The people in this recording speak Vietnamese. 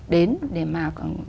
đến để mà